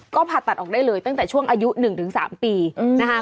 ก็ผ่าตัดออกได้เลยตั้งแต่ช่วงอายุ๑๓ปีนะคะ